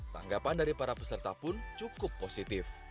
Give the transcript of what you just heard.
tanggapan dari para peserta pun cukup positif